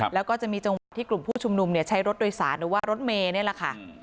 แล้วก็จะมีจังหวะที่กลุ่มผู้ชุมนุมใช้รถโดยสารหรือว่ารถเมย์นี่แหละค่ะ